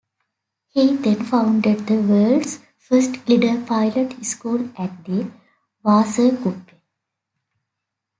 He then founded the world's first glider pilot school at the Wasserkuppe.